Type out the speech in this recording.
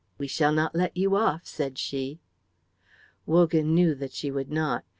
"We shall not let you off," said she. Wogan knew that she would not.